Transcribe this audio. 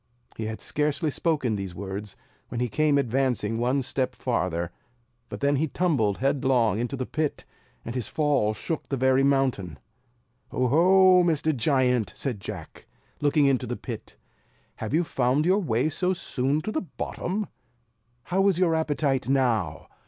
He had scarcely spoken these words, when he came advancing one step farther; but then he tumbled headlong into the pit, and his fall shook the very mountain. "O ho, Mr. Giant!" said Jack, looking into the pit, "have you found your way so soon to the bottom? How is your appetite now?